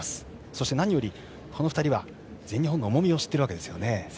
そして何より、この２人は全日本の重みを知っているわけですよね。